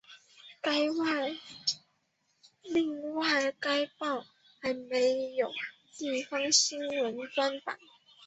另外该报还设有地方新闻专版。